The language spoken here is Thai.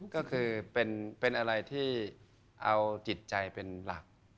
ก็คือเป็นอะไรที่เอาจิตใจเป็นหลัก